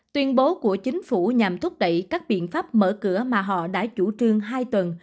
tuyên bố của chính phủ nhằm thúc đẩy các biện pháp mở cửa mà họ đã chủ trương hai tuần